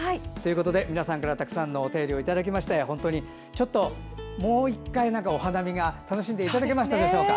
皆さんからたくさんお便りいただいてもう１回お花見が楽しんでいただけましたでしょうか。